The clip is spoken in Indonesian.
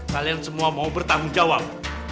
kalian semua mau bertanggung jawab